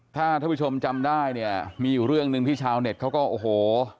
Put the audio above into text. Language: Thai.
ถ้าท่านผู้ชมจำได้เนี่ยมีอยู่เรื่องหนึ่งที่ชาวเน็ตเขาก็โอ้โห